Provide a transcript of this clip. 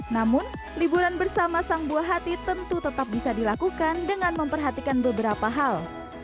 namun liburan bersama sang buah hati tentu tetap bisa dilakukan dengan memperhatikan beberapa hal